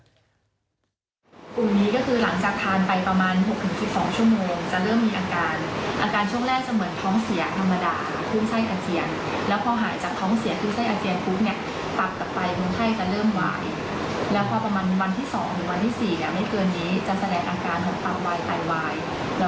อันนี้คือกลุ่มแรกประสงค์ศาสตร์สิทธิ์ก็แล้วกัน